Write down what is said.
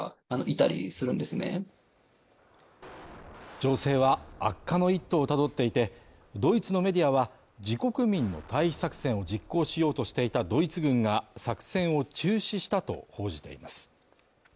情勢は悪化の一途をたどっていて、ドイツのメディアは、自国民の退避作戦を実行しようとしていたドイツ軍が作戦を中止したと報じています。